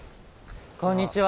こんにちは。